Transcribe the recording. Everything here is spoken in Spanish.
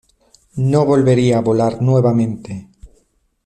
No volvería a volar nuevamente.